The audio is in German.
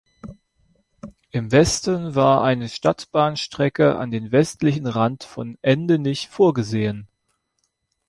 Im Westen war eine Stadtbahnstrecke an den westlichen Rand von Endenich vorgesehen.